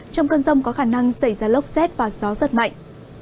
trong cơn rông có khả năng xảy ra lốc xét và gió rất mạnh